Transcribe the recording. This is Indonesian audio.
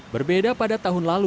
berbeda pada tahun lalu